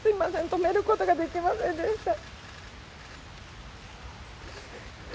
止めることができませんでした。